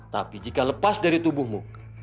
tapi jika lepas dari tubuhmu